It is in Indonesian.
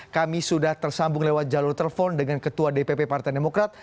kami sudah tersambung lewat jalur telepon dengan ketua dpp partai demokrat